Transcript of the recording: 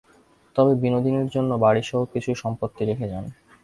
তিনি বিনোদিনীর জন্য বাড়িসহ কিছু সম্পত্তি রেখে যান।